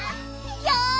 よし！